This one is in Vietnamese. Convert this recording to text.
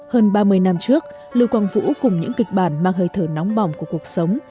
hơn ba mươi năm trước lưu quang vũ cùng những kịch bản mang hơi thở nóng bỏng của cuộc sống